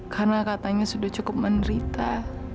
karena katanya sudah cukup menderita